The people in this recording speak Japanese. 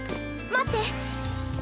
待って！